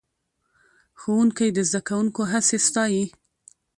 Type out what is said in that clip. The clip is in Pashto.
ښوونکی د زده کوونکو هڅې ستایي